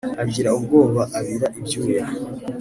agira ubwoba abira ibyuya